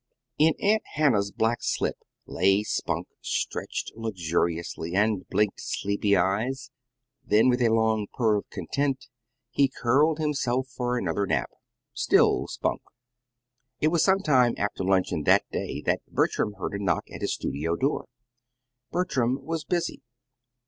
In Aunt Hannah's black silk lap Spunk stretched luxuriously, and blinked sleepy eyes; then with a long purr of content he curled himself for another nap still Spunk. It was some time after luncheon that day that Bertram heard a knock at his studio door. Bertram was busy.